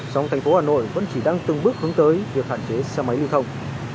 song thành phố hà nội vẫn chỉ đang từng bước hướng tới việc hạn chế xe máy lưu thông